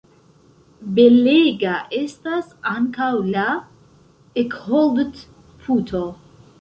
Belega estas ankaŭ la Eckholdt-puto.